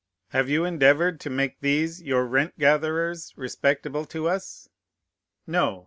Have you endeavored to make these your rent gatherers respectable to us? No.